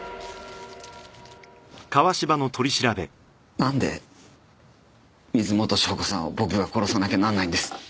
なんで水元湘子さんを僕が殺さなきゃなんないんです？